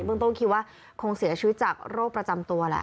มึงต้องคิดว่าคงเสียชีวิตจากโรคประจำตัวละ